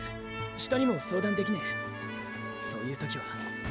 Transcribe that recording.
下にも相談できねえそういう時は。